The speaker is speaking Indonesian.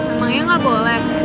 emangnya gak boleh